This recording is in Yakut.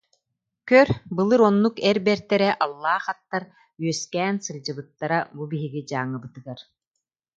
Көр, былыр оннук эр бэртэрэ, аллаах аттар үөскээн сылдьыбыттара бу биһиги Дьааҥыбытыгар